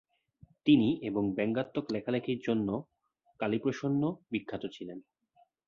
তিনি এবং ব্যঙ্গাত্মক লেখালেখির জন্য কালীপ্রসন্ন বিখ্যাত ছিলেন।